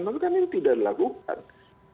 tapi kan ini tidak dilakukan